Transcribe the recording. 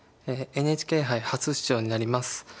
ＮＨＫ杯初出場になります。